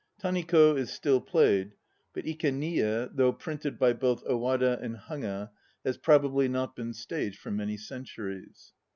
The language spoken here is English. Taniko is still played; but Ikeniye, though printed by both Owada and Haga, has probably not been staged for many centuries.